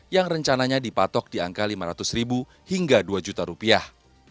yang rencananya dipatok di angka lima ratus ribu hingga dua juta rupiah